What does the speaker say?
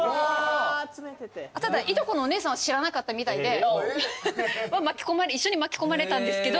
ただいとこのお姉さんは知らなかったみたいで一緒に巻き込まれたんですけど。